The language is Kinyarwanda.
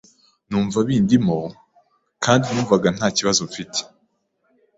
numva bindimo kandi numvaga nta kibazo mfite,